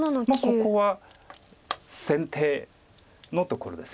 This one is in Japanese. ここは先手のところですよね。